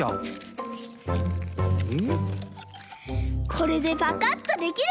これでパカッとできる！